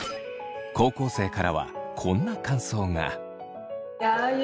高校生からはこんな感想が。